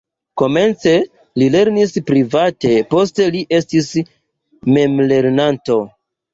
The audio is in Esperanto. Komence li lernis private, poste li estis memlernanto.